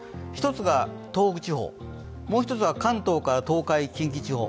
１つが東北地方、もう一つは関東から東海、近畿地方。